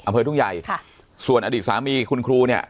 อำเภอทุ่งใหญ่ค่ะส่วนอดีตสามีคุณครูเนี่ย